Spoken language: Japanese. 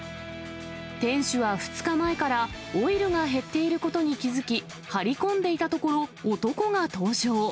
店主は２日前からオイルが減っていることに気付き、張り込んでいたところ、男が登場。